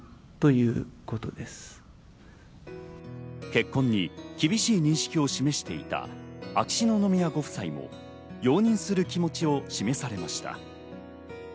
結婚に厳しい認識を示していた秋篠宮ご夫妻も容認する気持ちを示されました。